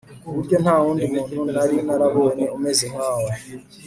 kuburyo ntawundi muntu nari narabonye umeze nkawe